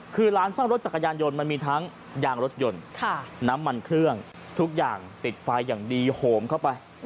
คือร้านซ่อมรถจักรยานยนต์มันมีทั้งยางรถยนต์น้ำมันเครื่องทุกอย่างติดไฟอย่างดีโหมเข้าไป